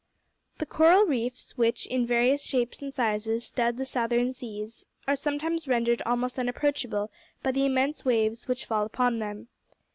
The coral reefs, which in various shapes and sizes stud the Southern seas, are sometimes rendered almost unapproachable by the immense waves which fall upon them.